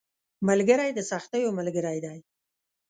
ملګری د سختیو ملګری دی